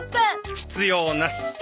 必要なし。